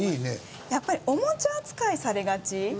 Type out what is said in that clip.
やっぱりおもちゃ扱いされがち。